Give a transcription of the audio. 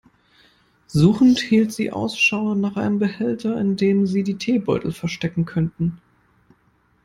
Suchend hielt sie Ausschau nach einem Behälter, in dem sich die Teebeutel verstecken könnten.